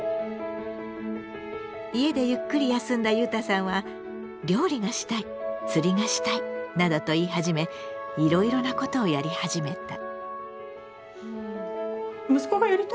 家でゆっくり休んだゆうたさんは「料理がしたい釣りがしたい」などと言い始めいろいろなことをやり始めた。